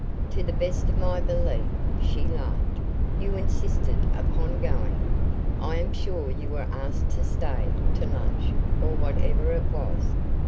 "To the best of my belief," she laughed, "you insisted upon going. I am sure you were asked to stay to lunch, or whatever it was.